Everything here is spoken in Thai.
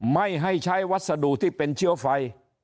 ไม่ให้ใช้วัสดุที่เป็นเชื้อไฟ